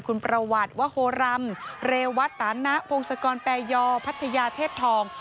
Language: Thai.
คุณประวัติวโฮรัมเรวัตตานะพงศกรแปรยอพัทยาเทพทอง